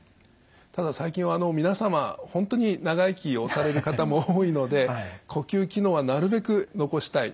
ただ最近は皆様本当に長生きをされる方も多いので呼吸機能はなるべく残したい。